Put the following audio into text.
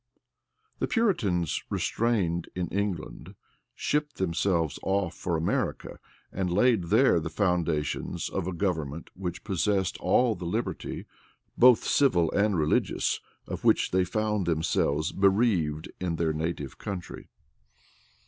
The Puritans, restrained in England, shipped themselves off for America, and laid there the foundations of a government which possessed all the liberty, both civil and religious, of which they found themselves bereaved in their native country.